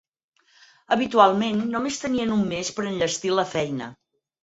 Habitualment només tenien un mes per enllestir la feina.